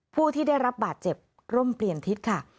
ผู้ที่ได้รับบาดเจ็บร่มเปลี่ยนทิศค่ะ